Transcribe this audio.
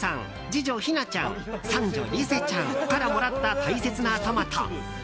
次女・ひなちゃん三女・りせちゃんからもらった大切なトマト。